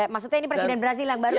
maksudnya ini presiden brazil yang baru ya